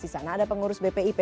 di sana ada pengurus bpip